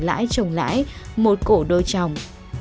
lãi chồng lãi một cổ đôi chồng